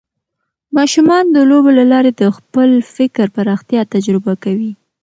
ماشومان د لوبو له لارې د خپل فکر پراختیا تجربه کوي.